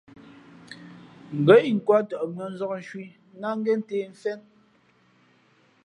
Ngά inkwāt tαʼ mʉ̄ᾱ nzǎk nshwī ná ngěn ntē mfén.